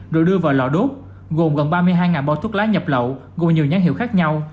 được đưa vào lò đốt gồm gần ba mươi hai bao thuốc lá nhập lậu gồm nhiều nhãn hiệu khác nhau